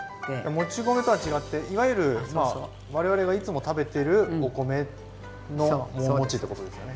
もち米とは違っていわゆる我々がいつも食べてるお米のお餅ってことですよね。